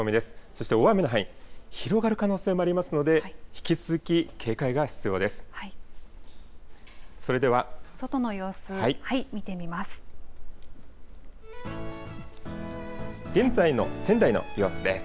そして大雨の範囲広がる見込みもありますので引き続き警戒が必要です。